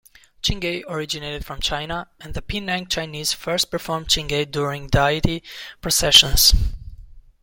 Chingay originated from China, and the Penang Chinese first performed Chingay during deity processions.